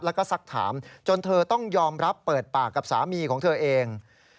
แล้วก็สักถามจนเธอต้องยอมรับเปิดปากกับสามีของเธอเอง